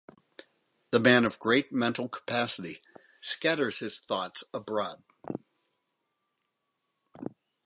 The man of great mental capacity scatters his thoughts abroad.